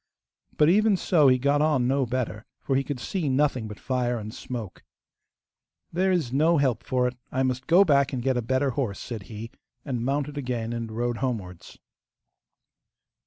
But even so he got on no better, for he could see nothing but fire and smoke. 'There is no help for it; I must go back and get a better horse,' said he, and mounted again and rode homewards.